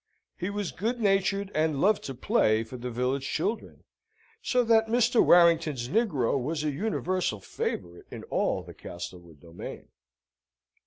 He was good natured and loved to play for the village children: so that Mr. Warrington's negro was a universal favourite in all the Castlewood domain.